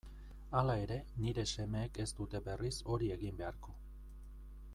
Hala ere, nire semeek ez dute berriz hori egin beharko.